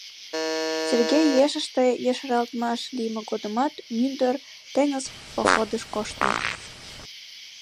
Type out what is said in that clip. Сергей ешыште ешаралтмаш лийме годымат мӱндыр теҥыз походыш коштын.